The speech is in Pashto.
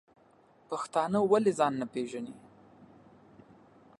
پښتانه ولی ځان نه پیژنی؟